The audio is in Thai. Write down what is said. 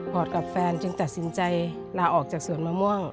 พอดกับแฟนจึงตัดสินใจลาออกจากสวนมะม่วง